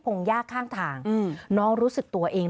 งยากข้างทางน้องรู้สึกตัวเอง